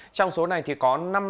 trong số này có năm đối tượng